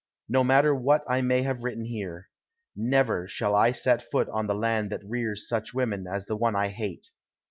No matter what I may have written here. Never shall I set foot on the land that rears such women as the one I hate.